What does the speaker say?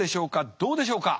どうでしょうか？